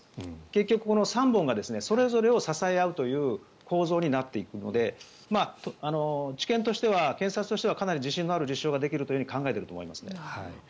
結局この３本がそれぞれを支え合うという構造になっていくので地検としては検察としてかなり自信のある実証ができると考えていると思いますね。